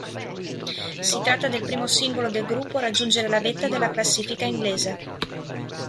Si tratta del primo singolo del gruppo a raggiungere la vetta della classifica inglese.